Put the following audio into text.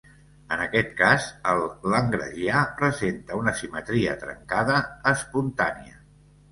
En aquest cas, el lagrangià presenta una simetria trencada espontània.